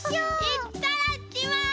いっただっきます！